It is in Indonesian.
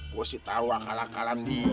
gue kan jangan ketahuan